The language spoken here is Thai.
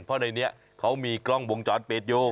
เพราะในนี้เขามีกล้องวงจรปิดอยู่